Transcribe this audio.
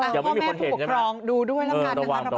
พ่อแม่ผู้ปกครองดูด้วยแล้วกันนะครับ